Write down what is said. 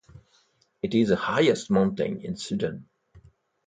It is the highest mountain in Sudan.